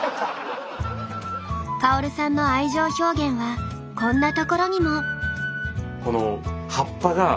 薫さんの愛情表現はこんなところにも。